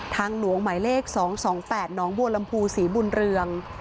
ทางหลวงหมายเลข๒๒๘หนองบัวลำพูศรีบุญเรือง